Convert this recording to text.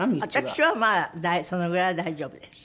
私はまだそのぐらいは大丈夫です。